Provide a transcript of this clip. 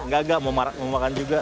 gak agak mau makan juga